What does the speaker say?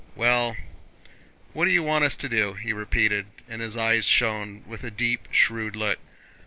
"Well, what do you want us to do?" he repeated and his eye shone with a deep, shrewd look.